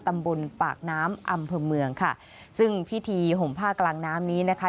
ตำบลปากน้ำอำเภอเมืองค่ะซึ่งพิธีห่มผ้ากลางน้ำนี้นะคะ